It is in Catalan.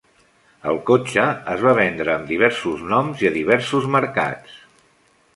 El cotxe es va vendre amb diversos noms i a diversos mercats.